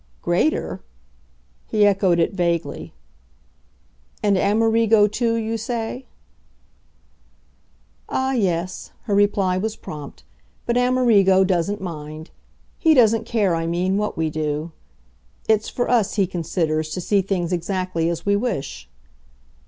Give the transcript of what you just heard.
"Greater ?" He echoed it vaguely. "And Amerigo too, you say?" "Ah yes" her reply was prompt "but Amerigo doesn't mind. He doesn't care, I mean, what we do. It's for us, he considers, to see things exactly as we wish.